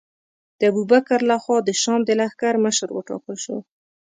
د ابوبکر له خوا د شام د لښکر مشر وټاکل شو.